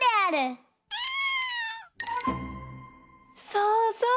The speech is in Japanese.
そうそう。